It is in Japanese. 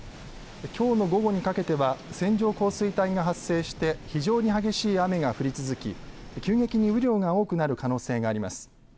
きょうの午後にかけては線状降水帯が発生して非常に激しい雨が降り続き急激に雨量が多くなる可能性があります。